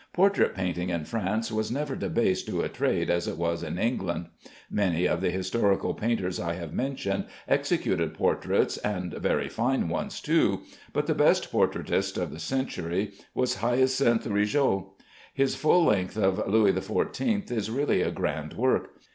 Portrait painting in France was never debased to a trade as it was in England. Many of the historical painters I have mentioned executed portraits, and very fine ones too, but the best portraitist of the century was Hyacinthe Rigaud. His full length of Louis XIV is really a grand work.